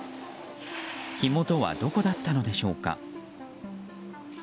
火元はどこだったのでしょうか。